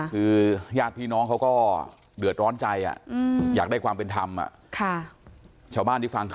คือญาติพี่น้องเขาก็เดือดร้อนใจอ่ะอืม